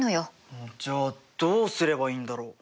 うんじゃあどうすればいいんだろう？